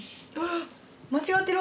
間違ってる？